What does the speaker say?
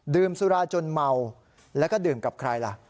สุราจนเมาแล้วก็ดื่มกับใครล่ะ